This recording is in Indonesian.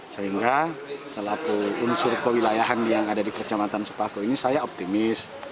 sehingga selaku unsur kewilayahan yang ada di kecamatan sepaku ini saya optimis